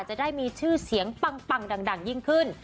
จะได้มีชื่อเสียงปังดังยิ่งขึ้น